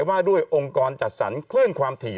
ว่าด้วยองค์กรจัดสรรคลื่นความถี่